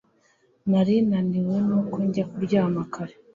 Nari naniwe nuko njya kuryama kare